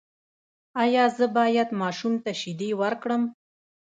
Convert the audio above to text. ایا زه باید ماشوم ته شیدې ورکړم؟